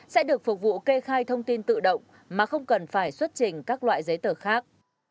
sẽ được phục vụ kê khai thông tin tự động mà không cần phải xuất trình các loại giấy tờ khác